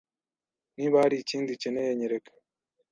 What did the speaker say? Niba hari ikindi ukeneye, nyereka.